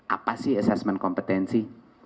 apa sih assessment kompetensi